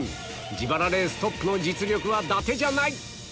自腹レーストップの実力はだてじゃない！